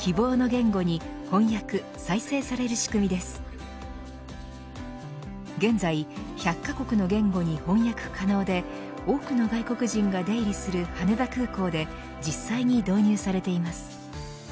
現在、１００カ国の言語に翻訳可能で多くの外国人が出入りする羽田空港で実際に導入されています。